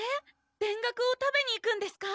田楽を食べに行くんですか！？